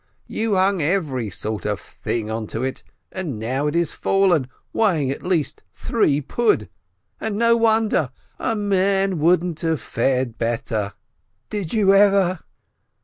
You hung every sort of thing onto it, and now it is fallen, weighing at least three pud. And no wonder! A man wouldn't have fared better. Did you ever